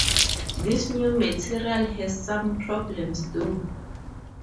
This new material has some problems, though.